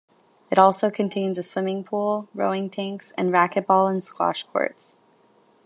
It also contains a swimming pool, rowing tanks, and racquetball and squash courts.